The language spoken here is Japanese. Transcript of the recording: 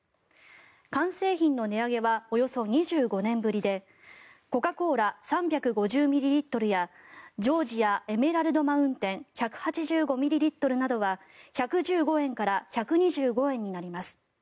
缶製品の値上げはおよそ２５年ぶりでコカ・コーラ３５０ミリリットルやジョージアエメラルドマウンテン１８５ミリリットルなどは１１５円から１２５円になります。